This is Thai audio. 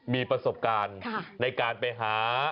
มีประสบการณ์ในการไปหา